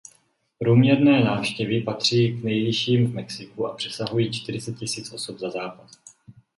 Průměrné návštěvy patří k nejvyšším v Mexiku a přesahují čtyřicet tisíc osob na zápas.